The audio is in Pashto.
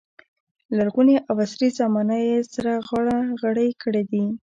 لرغونې او عصري زمانه یې سره غاړه غړۍ کړې دي.